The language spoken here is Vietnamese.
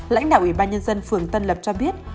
lãnh đạo ủy ban nhân dân phường tân lập cho biết